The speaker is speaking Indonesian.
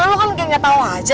lo kan kayak gak tau aja